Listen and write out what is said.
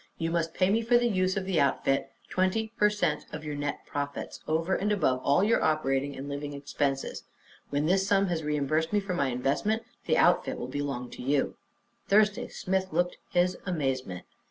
You must pay me for the use of the outfit twenty per cent of your net profits, over and above all your operating and living expenses. When this sum has reimbursed me for my investment, the outfit will belong to you." Thursday Smith looked his amazement.